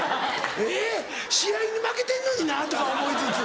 えっ試合に負けてんのになとか思いつつ。